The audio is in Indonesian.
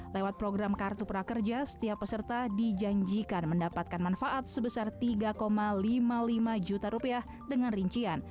lewat program kartu prakerja setiap peserta dijanjikan mendapatkan manfaat sebesar rp tiga lima puluh lima juta rupiah dengan rincian